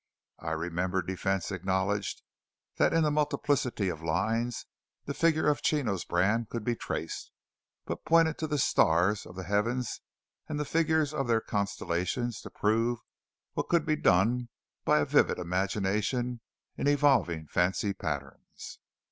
I remember defence acknowledged that in that multiplicity of lines the figure of Chino's brand could be traced; but pointed to the stars of the heavens and the figures of their constellations to prove what could be done by a vivid imagination in evolving fancy patterns.